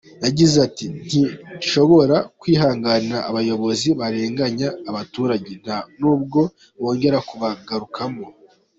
Yagize ati “Ntidushobora kwihanganira abayobozi barenganya abaturage, nta nubwo bongera kubagarukamo.